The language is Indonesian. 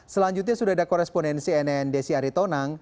selanjutnya sudah ada korespondensi nn desi aritonang